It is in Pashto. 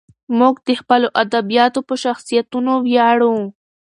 موږ د خپلو ادیبانو په شخصیتونو ویاړو.